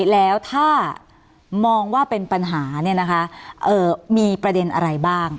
แล้วถ้ามองว่าเป็นปัญหามีประเด็นอะไรบ้าง